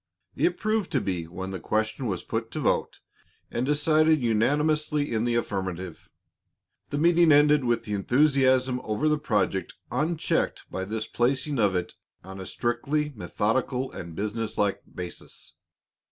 It proved to be, when the question was put to vote and decided unanimously in the affirmative. The meeting ended with the enthusiasm over the project unchecked by this placing of it on a strictly methodical and businesslike basis.